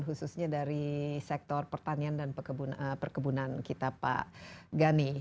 khususnya dari sektor pertanian dan perkebunan kita pak gani